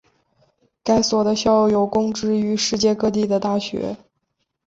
该所的校友供职于世界各地的大学。